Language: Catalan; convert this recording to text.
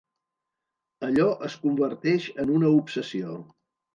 Allò es converteix en una obsessió.